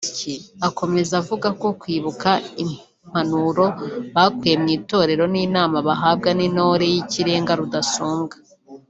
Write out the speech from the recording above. Akomeza avuga ko kwibuka impanuro bakuye mu itorero n’inama bahabwa n’ intore y’ikirenga Rudasumbwa